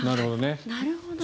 なるほど。